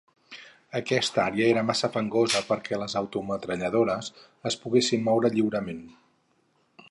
Aquesta àrea era massa fangosa perquè les autometralladores es poguessin moure lliurement.